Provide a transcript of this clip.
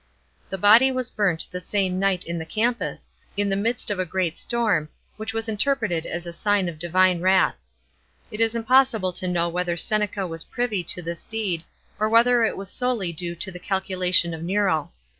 The body was burnt the same night in the Campus, in the midst of a y;reat storm, which was interpreted as a sign of divine wrath. It is impossible to know whether Seneca was privy to this deed, or whether it was solely due to the calculation of Nero.